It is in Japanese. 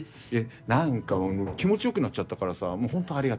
何かもう気持ち良くなっちゃったからさほんとありがと